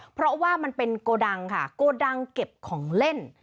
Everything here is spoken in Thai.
เพราะว่ามันเป็นโกดังค่ะโกดังเก็บของเล่น